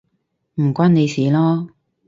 唔關你事囉